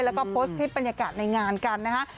แล้วก็โพสต์คลิปบรรยากาศในงานกันนะฮะ